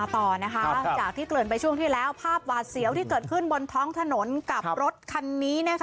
ต่อนะคะจากที่เกริ่นไปช่วงที่แล้วภาพหวาดเสียวที่เกิดขึ้นบนท้องถนนกับรถคันนี้